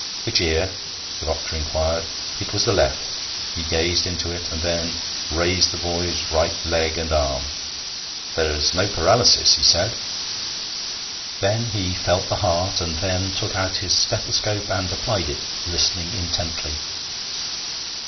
'Which ear?' the doctor inquired. It was the left. He gazed into it, and then raised the boy's right leg and arm. 'There is no paralysis,' he said. Then he felt the heart, and then took out his stethoscope and applied it, listening intently.